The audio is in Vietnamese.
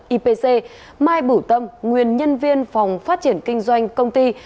ipc mai bửu tâm nguyên nhân viên phòng phát triển kinh doanh công ty